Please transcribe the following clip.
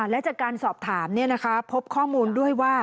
และจากการสอบถามพบข้อมูลด้วยว่า